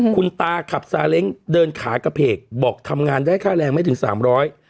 คุณตาขับซาเล้งเดินขากระเพกบอกทำงานได้ค่าแรงไม่ถึงสามร้อย